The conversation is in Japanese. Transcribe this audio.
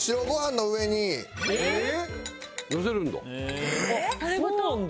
のせるんだ。